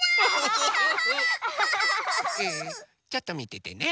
ちょっとみててね。